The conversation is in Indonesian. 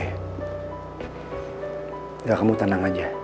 enggak kamu tenang aja